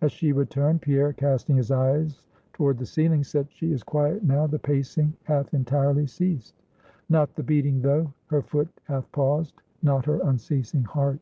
As she returned, Pierre, casting his eyes toward the ceiling, said "She is quiet now, the pacing hath entirely ceased." "Not the beating, tho'; her foot hath paused, not her unceasing heart.